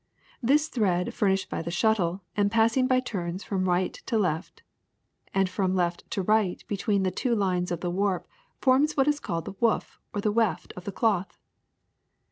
This thread furnished by the shuttle and passing by turns from right to left and from left to right between the two lines of the warp forms what is called the woof or weft of the cloth.